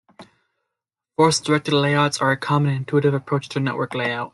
Force-directed layouts are a common and intuitive approach to network layout.